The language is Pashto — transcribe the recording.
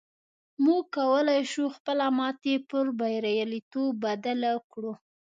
موږ کولی شو خپله ماتې پر برياليتوب بدله کړو.